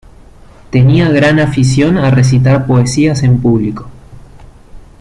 Tenía gran afición a recitar poesías en público.